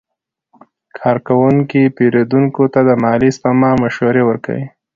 کارکوونکي پیرودونکو ته د مالي سپما مشورې ورکوي.